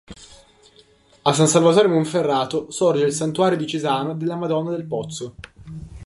A San Salvatore Monferrato sorge il santuario diocesano della Madonna del Pozzo.